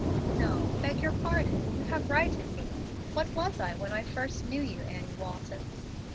"No, beg your pardon, you have righted me. What was I when I first knew you, Annie Walton?